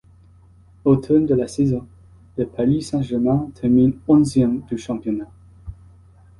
Au terme de la saison, le Paris Saint-Germain termine onzième du championnat.